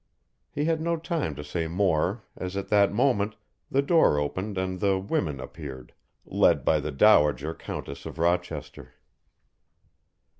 He had no time to say more as at that moment the door opened and the "women" appeared, led by the Dowager Countess of Rochester.